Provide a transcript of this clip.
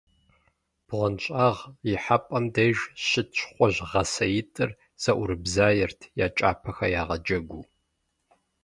БгъуэнщӀагъ ихьэпӀэм деж щыт щхъуэжь гъэсаитӀыр зэӀурыбзаерт, я кӀапэхэр ягъэджэгуу.